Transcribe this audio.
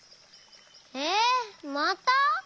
えっまた？